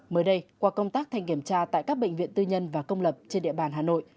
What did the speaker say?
mới đây qua công tác thanh kiểm tra tại các bệnh viện tư nhân và công lập trên địa bàn hà nội